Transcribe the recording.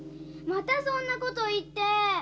またそんなこと言って！